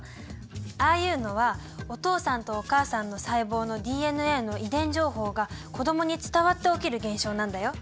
ああいうのはお父さんとお母さんの細胞のＤＮＡの遺伝情報が子どもに伝わって起きる現象なんだよ。